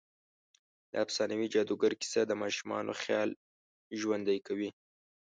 د افسانوي جادوګر کیسه د ماشومانو خيال ژوندۍ کوي.